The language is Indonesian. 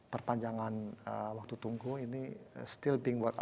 perpanjangan waktu tunggu ini